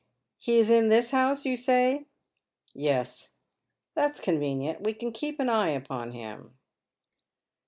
He is in this house, you say ?"" Yes." *' That's convenient. We can keep an eye upon him."